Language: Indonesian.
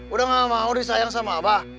udah gak mau disayang sama abah